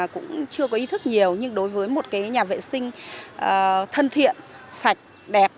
cũng chưa có ý thức nhiều nhưng đối với một cái nhà vệ sinh thân thiện sạch đẹp